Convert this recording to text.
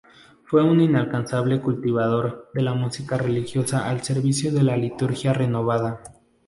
Fue un incansable cultivador de la música religiosa al servicio de una liturgia renovada.